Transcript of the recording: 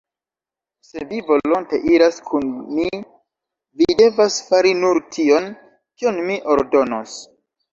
Se vi volonte iras kun mi, vi devas fari nur tion, kion mi ordonos.